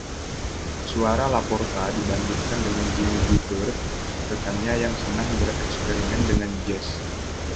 Suara LaPorta dibandingkan dengan Jimmy Giuffre, rekannya yang senang bereksperimen dengan jazz.